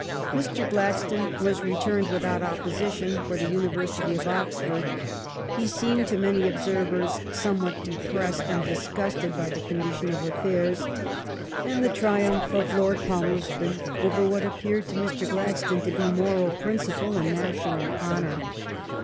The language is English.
Mr. Gladstone was returned without opposition for the University of Oxford. He seemed to many observers somewhat depressed and dis gusted by the condition of affairs, and by the THE CRIMEAiN WAR 19 1 triumph of Lord Palmerston over what appeared to Mr. Gladstone to be moral principle and na tional honor.